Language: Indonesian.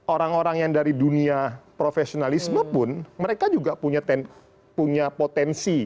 orang orang yang dari dunia profesionalisme pun mereka juga punya potensi